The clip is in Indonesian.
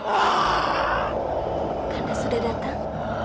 anda sudah datang